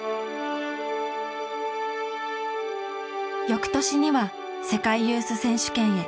翌年には世界ユース選手権へ。